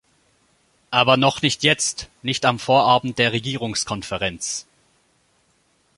Aber noch nicht jetzt, nicht am Vorabend der Regierungskonferenz.